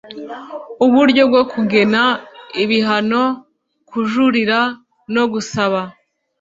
Uburyo bwo kugena ibihano kujurira no gusaba